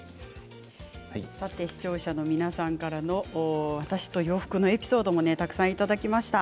視聴者の皆さんから私と洋服のエピソードもたくさんいただきました。